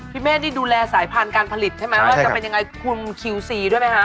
เมฆนี่ดูแลสายพันธุ์การผลิตใช่ไหมว่าจะเป็นยังไงคุณคิวซีด้วยไหมคะ